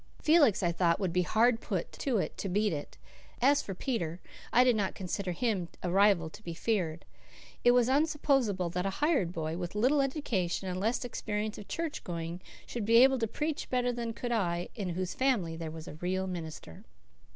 Felix, I thought, would be hard put to it to beat it. As for Peter, I did not consider him a rival to be feared. It was unsupposable that a hired boy, with little education and less experience of church going, should be able to preach better than could I, in whose family there was a real minister.